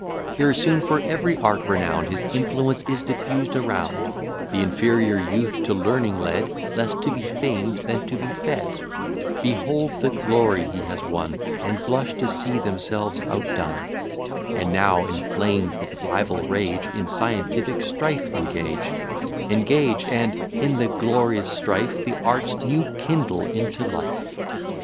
Here soon for every art renown'd, His influence is diffused around; The inferior youth to learning led, Less to be famed than to be fed, Behold the glory he has won, And blush to see themselves outdone; And now, inflamed with rival rage, In scientific strife engage, Engage; and, in the glorious strife The arts new kindle into life.